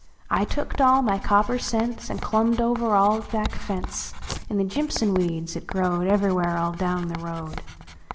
I tooked all my copper cents. An clumhed over our back tence In the jimpson wecds at Crowed Ever where all down the road.